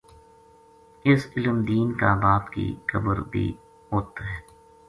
اس علم دین کا باپ کی قبر بھی اُ